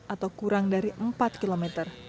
atau kurang dari empat km